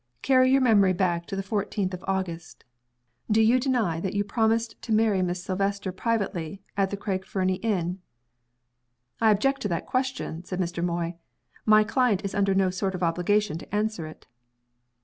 Carry your memory back to the fourteenth of August. Do you deny that you promised to many Miss Silvester privately at the Craig Fernie inn?" "I object to that question," said Mr. Moy. "My client is under no sort of obligation to answer it."